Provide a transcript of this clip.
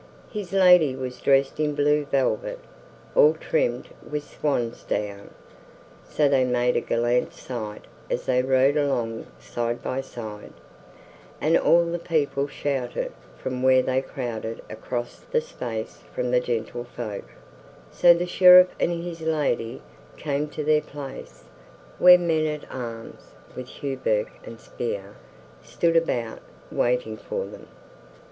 His lady was dressed in blue velvet, all trimmed with swan's down. So they made a gallant sight as they rode along side by side, and all the people shouted from where they crowded across the space from the gentlefolk; so the Sheriff and his lady came to their place, where men at arms, with hauberk and spear, stood about, waiting for them.